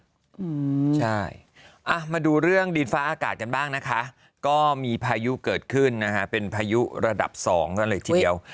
อืมใช่อ่ะมาดูเรื่องดินฟ้าอากาศกันบ้างนะคะก็มีพายุเกิดขึ้นนะฮะเป็นพายุระดับสองกันเลยทีเดียว